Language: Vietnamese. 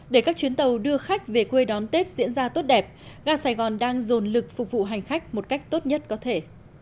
để các chuyến tàu đưa khách về quê đón tết diễn ra tốt đẹp ga sài gòn đang dồn lực phục vụ hành khách một cách tốt nhất có thể